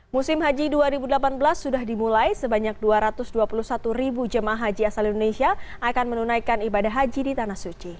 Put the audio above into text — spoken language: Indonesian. musim haji dua ribu delapan belas sudah dimulai sebanyak dua ratus dua puluh satu ribu jemaah haji asal indonesia akan menunaikan ibadah haji di tanah suci